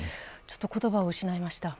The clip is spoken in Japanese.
言葉を失いました。